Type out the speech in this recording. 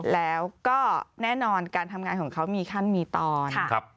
แล้วก็แน่นอนการทำงานของเขามีขั้นมีตอน